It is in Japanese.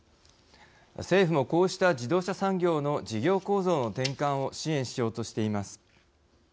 政府もこうした自動車産業の事業構造の転換を支援しようとしています。